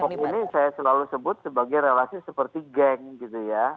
kelompok ini saya selalu sebut sebagai relasi seperti geng gitu ya